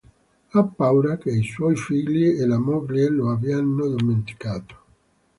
Ha paura che i suoi figli e la moglie lo abbiano dimenticato.